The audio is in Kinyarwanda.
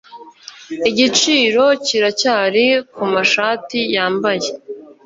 Igiciro kiracyari kumashati yambaye.